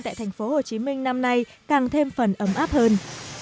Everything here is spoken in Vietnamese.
tại thành phố hồ chí minh năm nay càng thêm phần ấm áp hơn